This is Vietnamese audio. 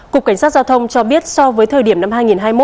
cục cảnh sát giao thông cho biết so với thời điểm năm hai nghìn hai mươi một